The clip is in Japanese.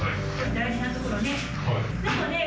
大事なところで。